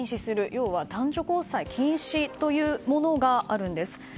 要は男女交際禁止というものがあるんです。